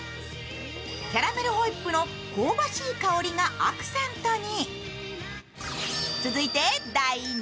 キャラメルホイップの香ばしい香りがアクセントに。